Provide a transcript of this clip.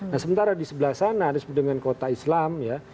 nah sementara di sebelah sana disebut dengan kota islam ya